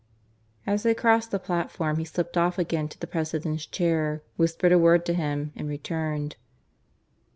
As they crossed the platform he slipped off again to the President's chair, whispered a word to him, and returned.